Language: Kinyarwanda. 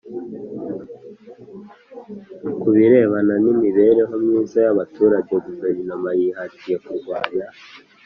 Ku birebana n imibereho myiza y abaturage Guverinoma yihatiye kurwanya